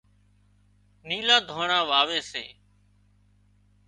نيلُا ڌانڻا واوي سي